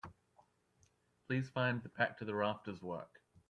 Please find the Packed to the Rafters work.